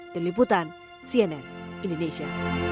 terlibutan cnn indonesia